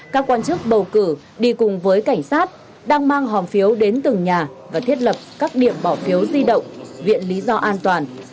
các quan chức bầu cử đi cùng với cảnh sát đang mang hòm phiếu đến từng nhà và thiết lập các điểm bỏ phiếu di động viện lý do an toàn